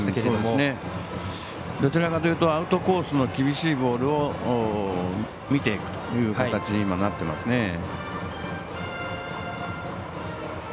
どちらかというとアウトコースの厳しいボールを見てという形に今、なっていますね。